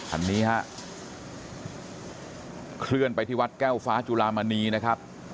อันนี้ฮะเคลื่อนไปที่วัดแก้วฟ้าจุลามณีนะครับ